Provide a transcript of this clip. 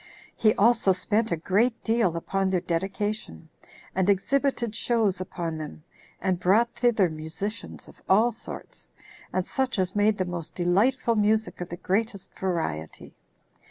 He also spent a great deal upon their dedication, and exhibited shows upon them, and brought thither musicians of all sorts, and such as made the most delightful music of the greatest variety.